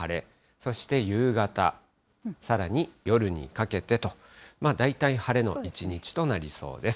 そして夕方、さらに夜にかけてと、まあ大体晴れの一日となりそうです。